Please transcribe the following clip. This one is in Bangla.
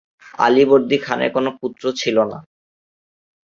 আলীবর্দী খানের কোন পুত্র ছিল না।